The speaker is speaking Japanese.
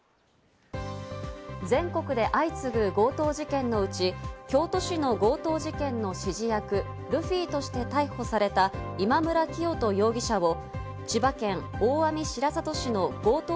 全国で相次ぐ強盗事件のうち、京都市の強盗事件の指示役・ルフィとして逮捕された、今村磨人容疑者を千葉県大網白里市の強盗